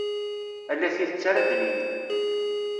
Ala tidet ara d-nini.